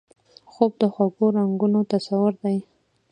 خوب د خوږو رنګونو تصور دی